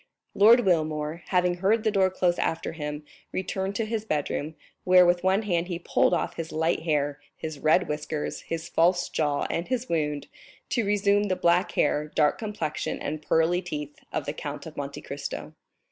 Lord Wilmore, having heard the door close after him, returned to his bedroom, where with one hand he pulled off his light hair, his red whiskers, his false jaw, and his wound, to resume the black hair, dark complexion, and pearly teeth of the Count of Monte Cristo.